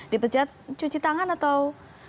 dipecat cuci tangan atau